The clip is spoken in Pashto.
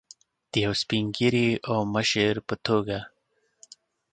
د یو سپین ږیري او مشر په توګه.